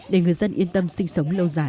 để người dân yên tâm sinh sống lâu dài